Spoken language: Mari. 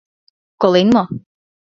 — Колен мо?